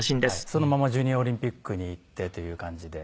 そのままジュニアオリンピックに行ってという感じで。